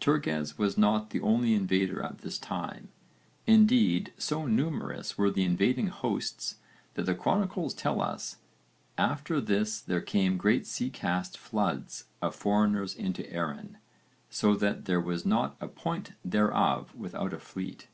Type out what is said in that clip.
Turges was not the only invader at this time: indeed so numerous were the invading hosts that the chronicles tell us 'after this there came great sea cast floods of foreigners into Erin, so that there was not a point thereof without a fleet.'